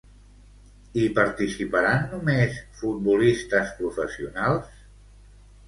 Hi participaran només futbolistes professionals?